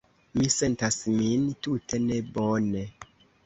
Mi sentas min tute nebone.